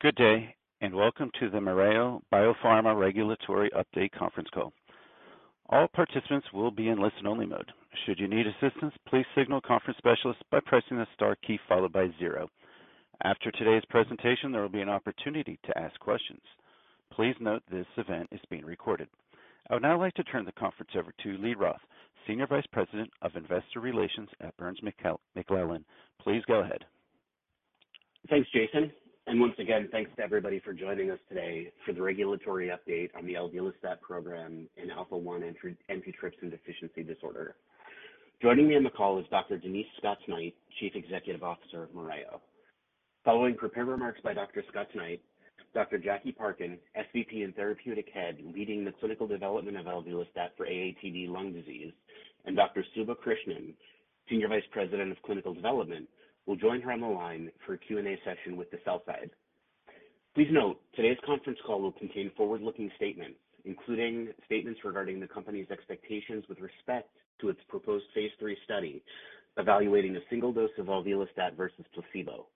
Good day. Welcome to the Mereo BioPharma regulatory update conference call. All participants will be in listen-only mode. Should you need assistance, please signal a conference specialist by pressing the star key followed by zero. After today's presentation, there will be an opportunity to ask questions. Please note this event is being recorded. I would now like to turn the conference over to Lee Roth, Senior Vice President of Investor Relations at Burns McClellan. Please go ahead. Thanks, Jason, once again, thanks to everybody for joining us today for the regulatory update on the alvelestat program in alpha-1 antitrypsin deficiency disorder. Joining me on the call is Dr. Denise Scots-Knight, Chief Executive Officer of Mereo. Following prepared remarks by Dr. Scots-Knight, Dr. Jackie Parkin, SVP and therapeutic head leading the clinical development of alvelestat for AATD lung disease, and Dr. Suba Krishnan, Senior Vice President of Clinical Development, will join her on the line for a Q and A session with the sell side. Please note, today's conference call will contain forward-looking statements, including statements regarding the company's expectations with respect to its proposed phase III study evaluating a single dose of alvelestat versus placebo.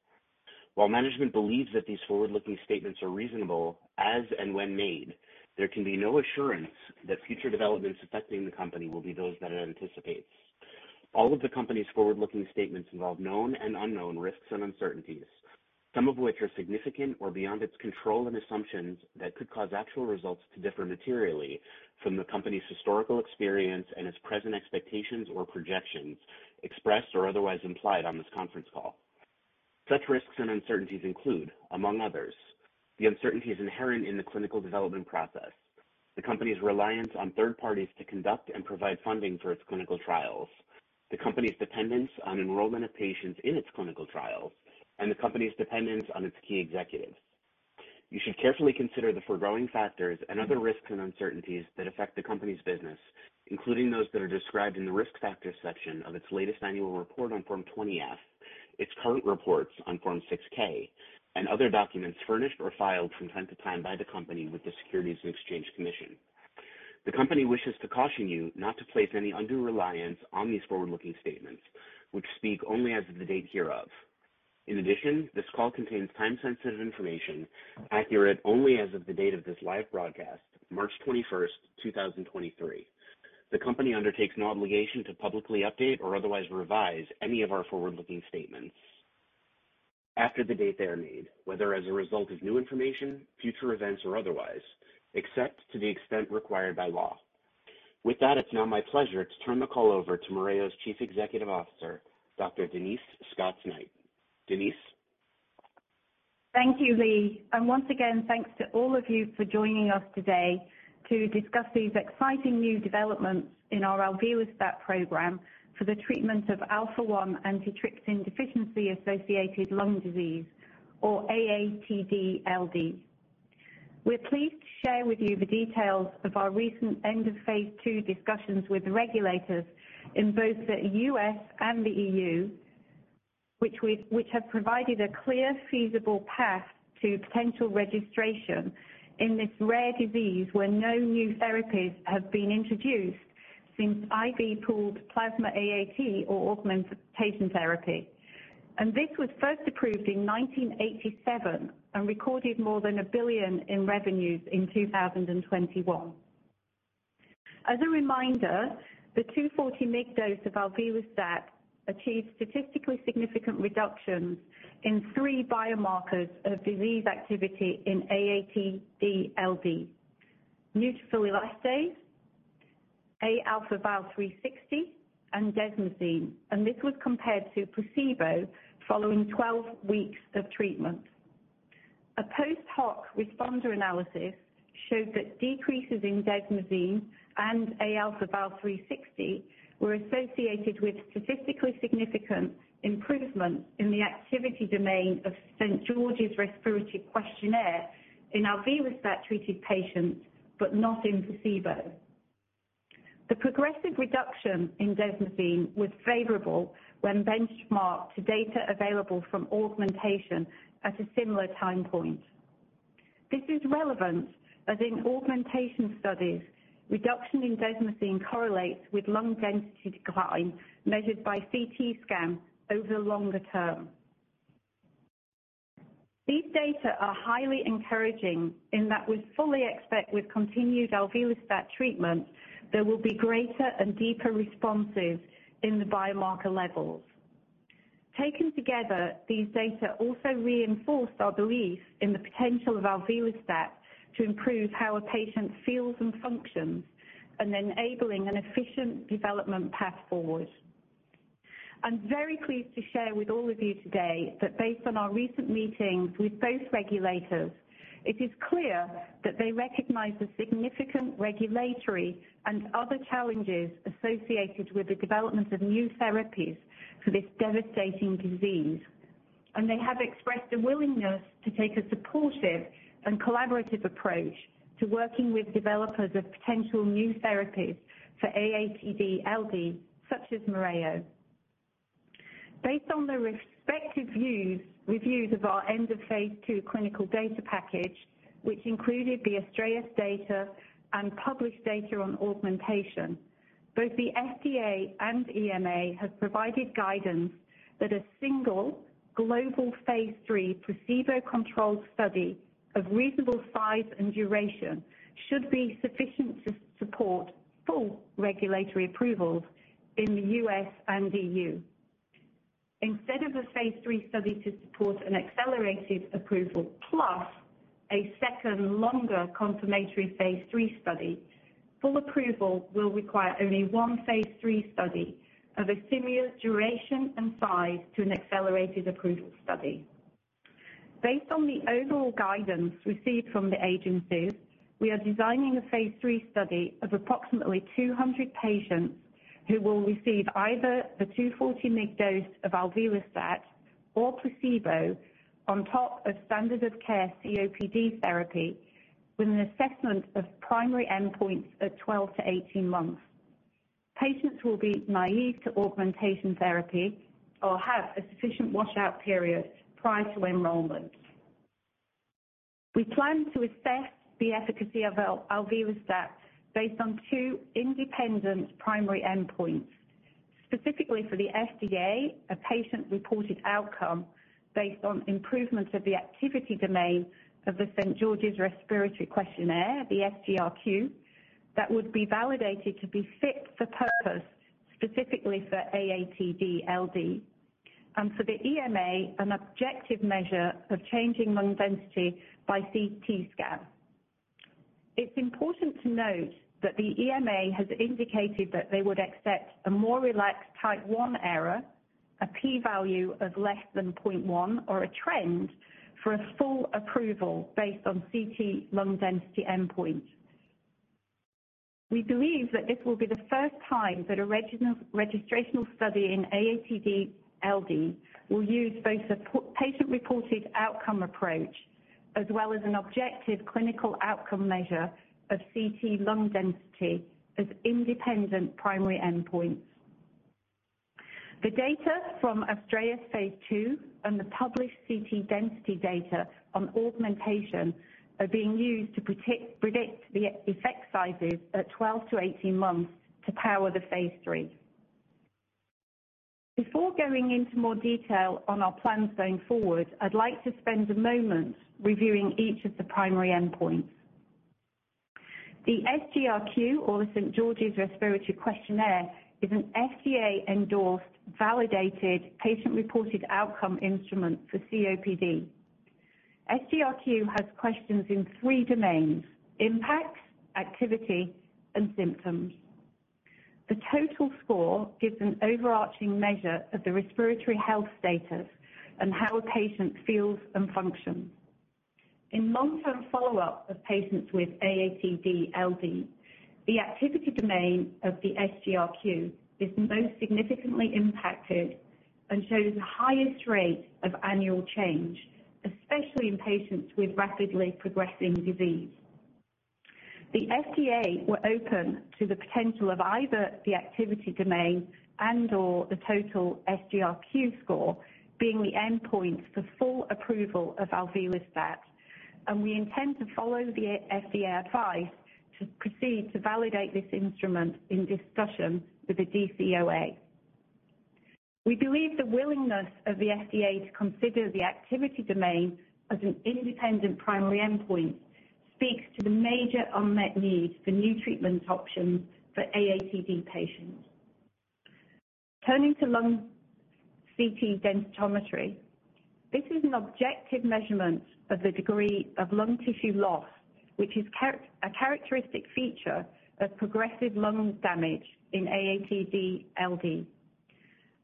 While management believes that these forward-looking statements are reasonable as and when made, there can be no assurance that future developments affecting the company will be those that it anticipates. All of the company's forward-looking statements involve known and unknown risks and uncertainties, some of which are significant or beyond its control and assumptions that could cause actual results to differ materially from the company's historical experience and its present expectations or projections expressed or otherwise implied on this conference call. Such risks and uncertainties include, among others, the uncertainties inherent in the clinical development process, the company's reliance on third parties to conduct and provide funding for its clinical trials, the company's dependence on enrollment of patients in its clinical trials, and the company's dependence on its key executives. You should carefully consider the foregoing factors and other risks and uncertainties that affect the company's business, including those that are described in the Risk Factors section of its latest annual report on Form 20-F, its current reports on Form 6-K, and other documents furnished or filed from time to time by the company with the Securities and Exchange Commission. The company wishes to caution you not to place any undue reliance on these forward-looking statements, which speak only as of the date hereof. This call contains time-sensitive information, accurate only as of the date of this live broadcast, March 21st, 2023. The company undertakes no obligation to publicly update or otherwise revise any of our forward-looking statements after the date they are made, whether as a result of new information, future events, or otherwise, except to the extent required by law. With that, it's now my pleasure to turn the call over to Mereo's Chief Executive Officer, Dr. Denise Scots-Knight. Denise. Thank you, Lee. Once again, thanks to all of you for joining us today to discuss these exciting new developments in our alvelestat program for the treatment of Alpha-1 antitrypsin deficiency-associated lung disease, or AATD-LD. We're pleased to share with you the details of our recent end of phase II discussions with regulators in both the U.S. and the E.U., which have provided a clear, feasible path to potential registration in this rare disease where no new therapies have been introduced since IV pooled plasma AAT or augmentation therapy. This was first approved in 1987 and recorded more than $1 billion in revenues in 2021. As a reminder, the 240 mg dose of alvelestat achieved statistically significant reductions in three biomarkers of disease activity in AATD-LD, neutrophil elastase, Aα-Val360, and desmosine. This was compared to placebo following 12 weeks of treatment. A post-hoc responder analysis showed that decreases in desmosine and Aα-Val360 were associated with statistically significant improvement in the activity domain of St. George's Respiratory Questionnaire in alvelestat-treated patients, but not in placebo. The progressive reduction in desmosine was favorable when benchmarked to data available from augmentation at a similar time point. This is relevant, as in augmentation studies, reduction in desmosine correlates with lung density decline measured by CT scan over the longer term. These data are highly encouraging in that we fully expect with continued alvelestat treatment, there will be greater and deeper responses in the biomarker levels. Taken together, these data also reinforce our belief in the potential of alvelestat to improve how a patient feels and functions and enabling an efficient development path forward. I'm very pleased to share with all of you today that based on our recent meetings with both regulators, it is clear that they recognize the significant regulatory and other challenges associated with the development of new therapies for this devastating disease. They have expressed a willingness to take a supportive and collaborative approach to working with developers of potential new therapies for AATD-LD, such as Mereo. Based on their respective views, reviews of our end of phase II clinical data package, which included the ASTRAEUS data and published data on augmentation. Both the FDA and EMA have provided guidance that a single global phase III placebo-controlled study of reasonable size and duration should be sufficient to support full regulatory approvals in the U.S. and E.U. Instead of a phase III study to support an accelerated approval plus a second longer confirmatory phase III study, full approval will require only one phase III study of a similar duration and size to an accelerated approval study. Based on the overall guidance received from the agencies, we are designing a phase III study of approximately 200 patients who will receive either the 240 mg dose of alvelestat or placebo on top of standard of care COPD therapy, with an assessment of primary endpoints at 12-18 months. Patients will be naive to augmentation therapy or have a sufficient washout period prior to enrollment. We plan to assess the efficacy of alvelestat based on two independent primary endpoints, specifically for the FDA, a patient-reported outcome based on improvement of the activity domain of the St. George's Respiratory Questionnaire, the SGRQ, that would be validated to be fit for purpose specifically for AATD-LD, and for the EMA, an objective measure of changing lung density by CT scan. It's important to note that the EMA has indicated that they would accept a more relaxed Type I error, a P value of less than 0.1 or a trend for a full approval based on CT lung density endpoint. We believe that this will be the first time that a registrational study in AATD-LD will use both a patient-reported outcome approach as well as an objective clinical outcome measure of CT lung density as independent primary endpoints. The data from ASTRAEUS phase II and the published CT density data on augmentation are being used to predict the effect sizes at 12-18 months to power the phase III. Before going into more detail on our plans going forward, I'd like to spend a moment reviewing each of the primary endpoints. The SGRQ or the St. George's Respiratory Questionnaire is an FDA-endorsed, validated patient-reported outcome instrument for COPD. SGRQ has questions in three domains: impact, activity, and symptoms. The total score gives an overarching measure of the respiratory health status and how a patient feels and functions. In long-term follow-up of patients with AATD-LD, the activity domain of the SGRQ is most significantly impacted and shows the highest rate of annual change, especially in patients with rapidly progressing disease. The FDA were open to the potential of either the activity domain and or the total SGRQ score being the endpoint for full approval of alvelestat, and we intend to follow the FDA advice to proceed to validate this instrument in discussion with the DCOA. We believe the willingness of the FDA to consider the activity domain as an independent primary endpoint speaks to the major unmet need for new treatment options for AATD patients. Turning to lung CT densitometry. This is an objective measurement of the degree of lung tissue loss, which is a characteristic feature of progressive lung damage in AATD-LD.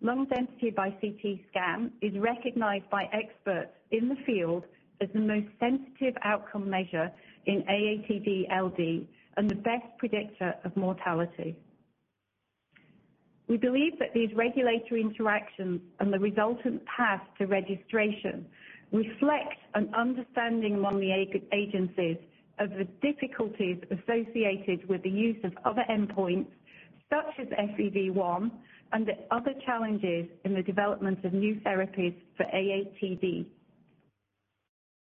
Lung density by CT scan is recognized by experts in the field as the most sensitive outcome measure in AATD-LD and the best predictor of mortality. We believe that these regulatory interactions and the resultant path to registration reflect an understanding among the agencies of the difficulties associated with the use of other endpoints such as FEV1, and the other challenges in the development of new therapies for AATD.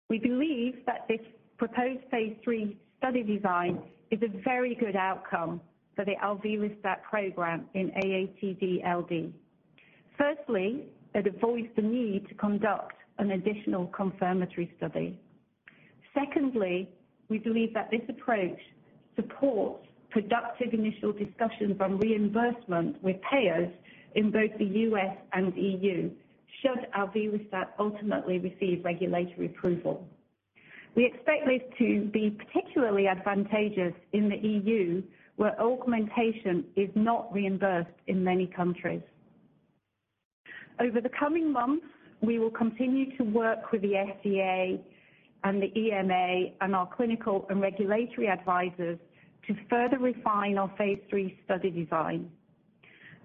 We believe that this proposed phase III study design is a very good outcome for the alvelestat program in AATD-LD. Firstly, it avoids the need to conduct an additional confirmatory study. Secondly, we believe that this approach supports productive initial discussions on reimbursement with payers in both the U.S. and E.U. should alvelestat ultimately receive regulatory approval. We expect this to be particularly advantageous in the E.U., where augmentation is not reimbursed in many countries. Over the coming months, we will continue to work with the FDA and the EMA and our clinical and regulatory advisors to further refine our phase III study design.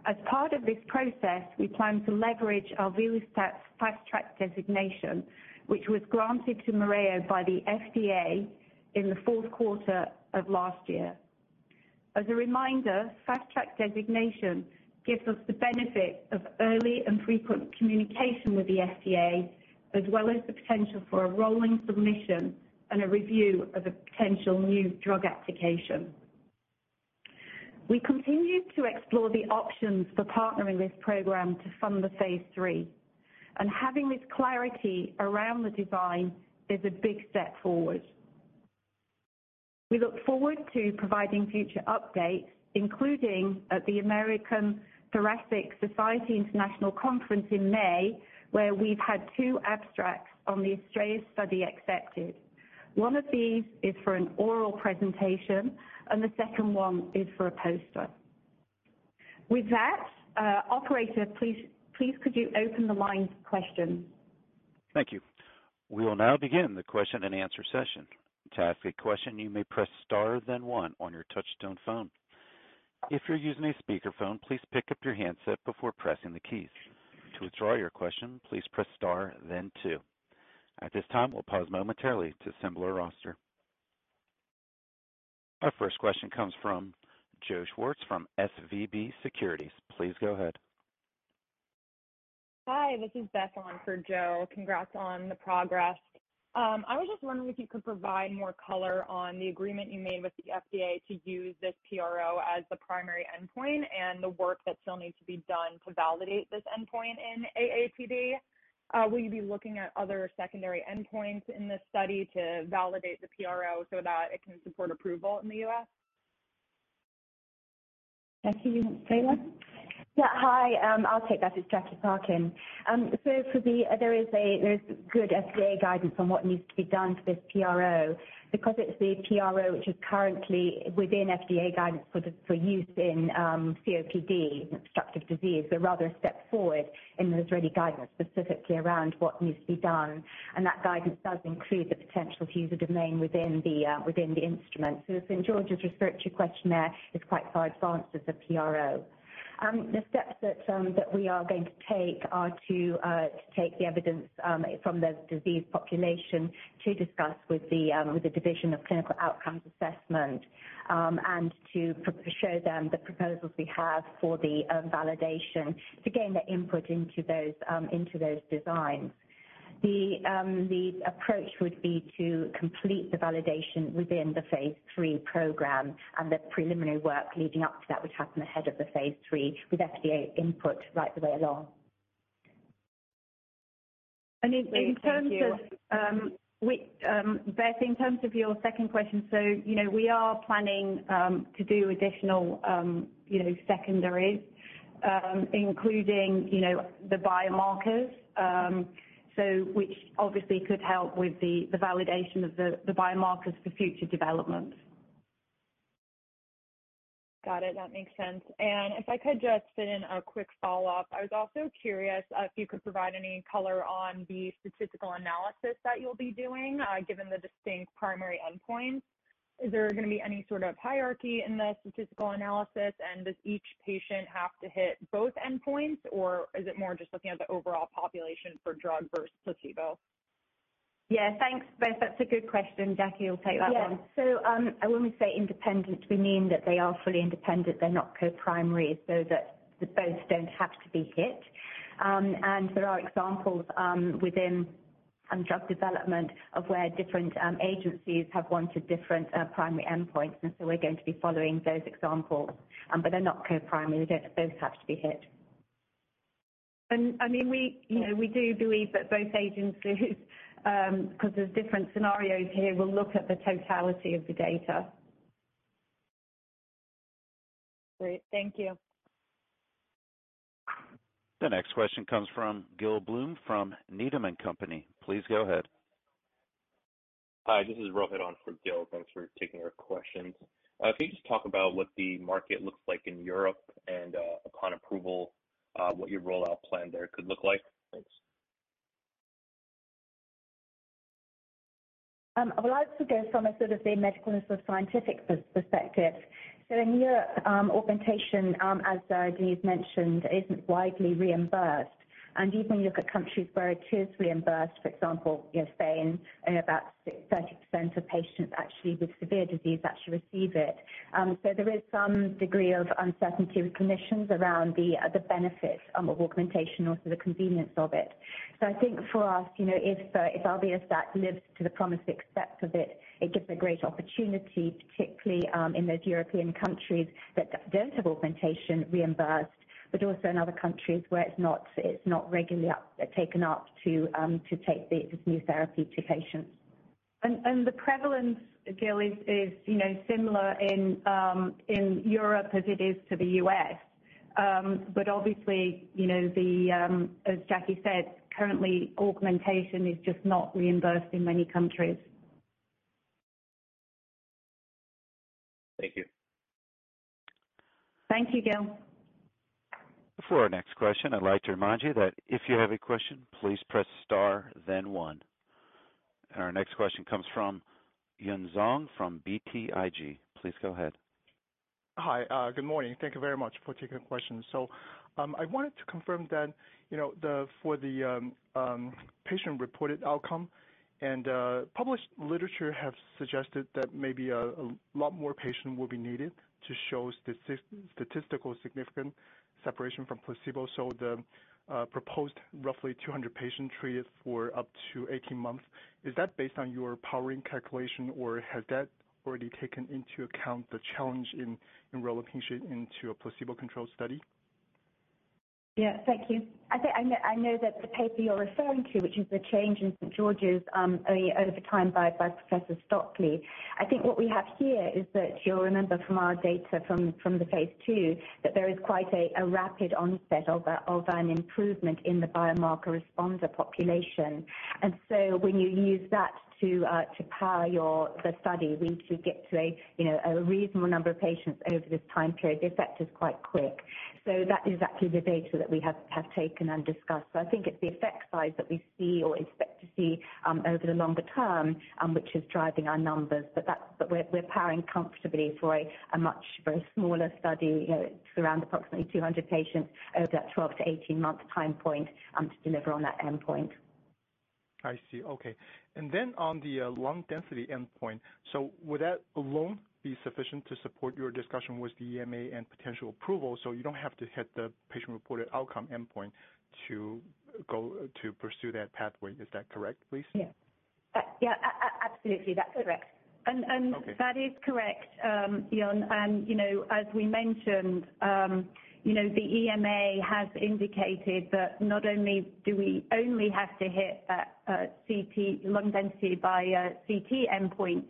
As part of this process, we plan to leverage alvelestat's Fast Track designation, which was granted to Mereo by the FDA in the fourth quarter of last year. As a reminder, Fast Track designation gives us the benefit of early and frequent communication with the FDA, as well as the potential for a rolling submission and a review of a potential New Drug Application. We continue to explore the options for partnering this program to fund the phase III. Having this clarity around the design is a big step forward. We look forward to providing future updates, including at the American Thoracic Society International Conference in May, where we've had two abstracts on the ASTRAEUS study accepted. One of these is for an oral presentation and the second one is for a poster. With that, operator, please, could you open the line for questions? Thank you. We will now begin the question-and-answer session. To ask a question, you may press star then one on your touchtone phone. If you're using a speakerphone, please pick up your handset before pressing the keys. To withdraw your question, please press star then two. At this time, we'll pause momentarily to assemble our roster. Our first question comes from Joe Schwartz from SVB Securities. Please go ahead. Hi, this is Beth on for Joe. Congrats on the progress. I was just wondering if you could provide more color on the agreement you made with the FDA to use this PRO as the primary endpoint and the work that still needs to be done to validate this endpoint in AATD. Will you be looking at other secondary endpoints in this study to validate the PRO so that it can support approval in the U.S.? Jackie, do you want to say that? Yeah. Hi, I'll take that. It's Jackie Parkin. There's good FDA guidance on what needs to be done for this PRO because it's the PRO which is currently within FDA guidance for use in COPD, obstructive disease, but rather a step forward, and there's already guidance specifically around what needs to be done. That guidance does include the potential to use a domain within the instrument. St. George's Respiratory Questionnaire is quite far advanced as a PRO. The steps that we are going to take are to take the evidence from the disease population to discuss with the Division of Clinical Outcome Assessment and to show them the proposals we have for the validation to gain their input into those designs. The approach would be to complete the validation within the phase III program and the preliminary work leading up to that would happen ahead of the phase III with FDA input right the way along. in terms of. Great. Thank you. Beth, in terms of your second question, you know, we are planning to do additional, you know, secondaries, including, you know, the biomarkers, which obviously could help with the validation of the biomarkers for future developments. Got it. That makes sense. If I could just fit in a quick follow-up, I was also curious if you could provide any color on the statistical analysis that you'll be doing, given the distinct primary endpoint. Is there gonna be any sort of hierarchy in the statistical analysis? Does each patient have to hit both endpoints, or is it more just looking at the overall population for drug versus placebo? Thanks, Beth. That's a good question. Jackie will take that one. Yeah. When we say independent, we mean that they are fully independent. They're not co-primary, so that both don't have to be hit. There are examples within drug development of where different agencies have wanted different primary endpoints, and so we're going to be following those examples. They're not co-primary. They don't both have to be hit. I mean, we, you know, we do believe that both agencies, 'cause there's different scenarios here, will look at the totality of the data. Great. Thank you. The next question comes from Gil Blum from Needham & Company. Please go ahead. Hi, this is Rohit on for Gil. Thanks for taking our questions. Can you just talk about what the market looks like in Europe and, upon approval, what your rollout plan there could look like? Thanks. Well, I'll sort of go from a sort of the medical and sort of scientific perspective. In Europe, augmentation, as Denise mentioned, isn't widely reimbursed. Even you look at countries where it is reimbursed, for example, you know, Spain, about 30% of patients actually with severe disease actually receive it. There is some degree of uncertainty with clinicians around the benefit of augmentation or for the convenience of it. I think for us, you know, if alvelestat lives to the promised expects of it gives a great opportunity, particularly in those European countries that don't have augmentation reimbursed, but also in other countries where it's not, it's not regularly taken up to take this new therapy to patients. The prevalence, Gil, is, you know, similar in Europe as it is to the U.S. Obviously, you know, the, as Jackie said, currently augmentation is just not reimbursed in many countries. Thank you. Thank you, Gil. Before our next question, I'd like to remind you that if you have a question, please press star then one. Our next question comes from Yun Zhong from BTIG. Please go ahead. Hi. Good morning. Thank you very much for taking the question. I wanted to confirm that, you know, the, for the patient-reported outcome and published literature have suggested that maybe a lot more patient will be needed to show statistical significant separation from placebo. The proposed roughly 200 patient treated for up to 18 months, is that based on your powering calculation, or has that already taken into account the challenge in rolling patient into a placebo-controlled study? Yeah, thank you. I think I know that the paper you're referring to, which is the change in St. George's over time by Professor Stockley. I think what we have here is that you'll remember from our data from the phase II, that there is quite a rapid onset of an improvement in the biomarker responder population. When you use that to power the study, we need to get to a, you know, a reasonable number of patients over this time period. The effect is quite quick. That is actually the data that we have taken and discussed. I think it's the effect size that we see or expect to see over the longer term, which is driving our numbers. We're powering comfortably for a smaller study, you know, around approximately 200 patients over that 12 to 18 month time point to deliver on that endpoint. I see. Okay. On the lung density endpoint. Would that alone be sufficient to support your discussion with the EMA and potential approval so you don't have to hit the patient-reported outcome endpoint to go to pursue that pathway? Is that correct, please? Yeah. Yeah. Absolutely, that's correct. That is correct, Yun. You know, as we mentioned, you know, the EMA has indicated that not only do we only have to hit a CT lung density by a CT endpoint,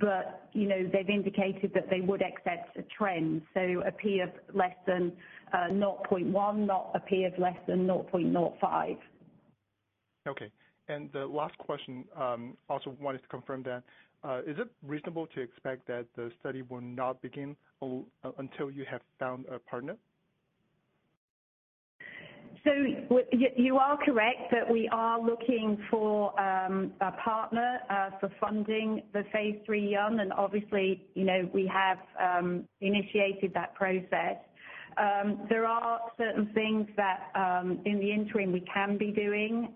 but, you know, they've indicated that they would accept a trend, so a P of less than 0.1, not a P of less than 0.05. Okay. The last question, also wanted to confirm that, is it reasonable to expect that the study will not begin until you have found a partner? You are correct that we are looking for a partner for funding the phase III, Yon, and obviously, we have initiated that process. There are certain things that in the interim, we can be doing,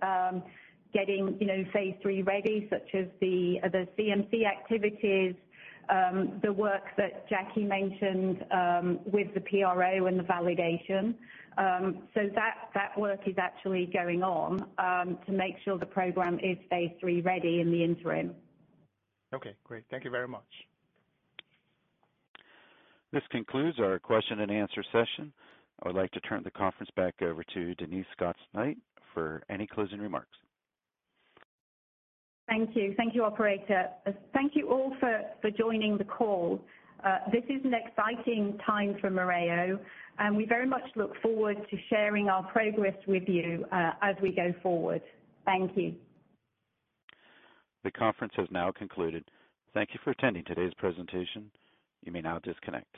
getting phase III ready, such as the CMC activities, the work that Jackie mentioned with the PRO and the validation. That work is actually going on to make sure the program is phase III ready in the interim. Okay, great. Thank you very much. This concludes our question and answer session. I would like to turn the conference back over to Denise Scots-Knight for any closing remarks. Thank you. Thank you, operator. Thank you all for joining the call. This is an exciting time for Mereo, and we very much look forward to sharing our progress with you as we go forward. Thank you. The conference has now concluded. Thank you for attending today's presentation. You may now disconnect.